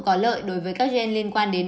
có lợi đối với các gen liên quan đến